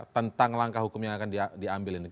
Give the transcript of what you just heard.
tentang langkah hukum yang akan diambil ini